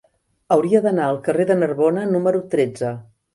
Hauria d'anar al carrer de Narbona número tretze.